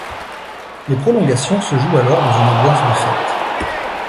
Les prolongations se jouent alors dans une ambiance de fête.